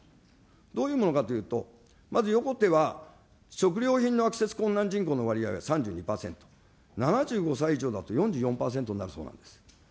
どういうものかというと、まず横手は、食料品のアクセス困難事例の割合は３５％、７５歳以上だと４４％になるそうなんです。